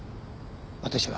私は。